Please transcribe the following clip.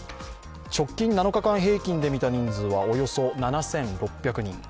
直近７日間平均で見た人数はおよそ７６００人